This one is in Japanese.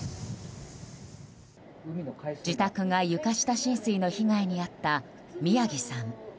自宅が床下浸水の被害に遭った宮城さん。